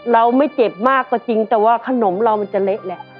เราไม่เจ็บมากก็จริงแต่ว่าขนมเรามันจะเละแหละ